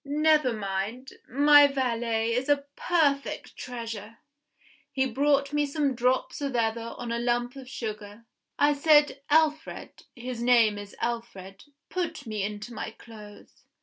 Never mind my valet is a perfect treasure; he brought me some drops of ether on a lump of sugar. I said, 'Alfred' (his name is Alfred), 'put me into my clothes!